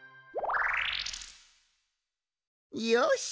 よし！